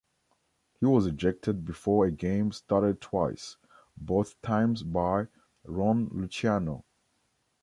He was ejected before a game started twice, both times by Ron Luciano.